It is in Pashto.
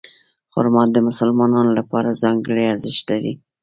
خرما د مسلمانانو لپاره ځانګړی ارزښت لري.